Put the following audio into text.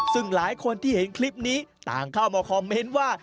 ซึ่งหลายคนที่เห็นคลิปนี้ต่างเข้ามาคอมเมนต์ว่า